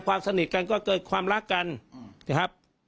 สนิทกันก็เกิดความรักกันนะครับ